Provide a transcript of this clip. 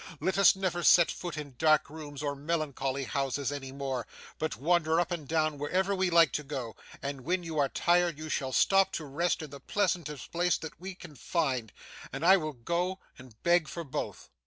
Let us never set foot in dark rooms or melancholy houses, any more, but wander up and down wherever we like to go; and when you are tired, you shall stop to rest in the pleasantest place that we can find, and I will go and beg for both.